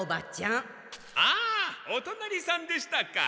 ああお隣さんでしたか。